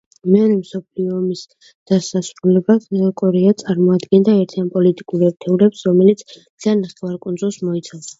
მეორე მსოფლიო ომის დასასრულამდე, კორეა წარმოადგენდა ერთიან პოლიტიკურ ერთეულს, რომელიც მთლიან ნახევარკუნძულს მოიცავდა.